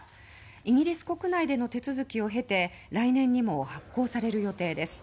イギリス国内での手続きを経て来年にも発効される予定です。